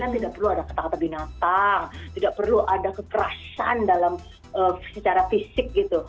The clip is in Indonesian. tidak perlu ada kata kata binatang tidak perlu ada kekerasan dalam secara fisik gitu